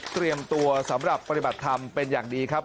เตรียมตัวสำหรับปฏิบัติธรรมเป็นอย่างดีครับ